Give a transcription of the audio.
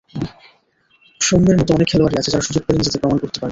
সৌম্যর মতো অনেক খেলোয়াড়ই আছে, যারা সুযোগ পেলে নিজেদের প্রমাণ করতে পারবে।